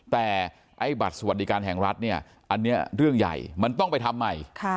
แต่ไอ้บัตรสวัสดิการแห่งรัฐเนี่ยอันนี้เรื่องใหญ่มันต้องไปทำใหม่